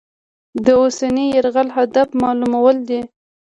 د اوسني یرغل هدف معلومول دي.